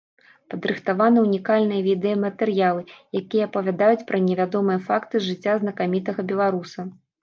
Падрыхтаваны ўнікальныя відэаматэрыялы, якія апавядаюць пра невядомыя факты з жыцця знакамітага беларуса.